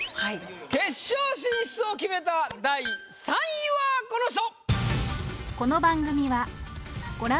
決勝進出を決めた第３位はこの人！